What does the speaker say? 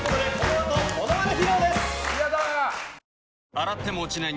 洗っても落ちない